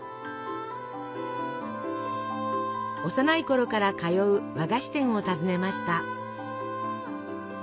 幼いころから通う和菓子店を訪ねました。